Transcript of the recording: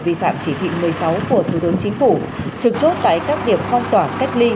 vi phạm chỉ thị một mươi sáu của thủ tướng chính phủ trực chốt tại các điểm phong tỏa cách ly